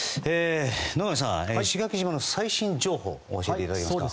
野上さん、石垣島の最新情報を教えていただけますか。